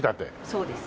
そうです。